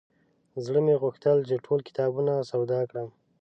زړه مې غوښتل چې ټول کتابونه سودا کړم.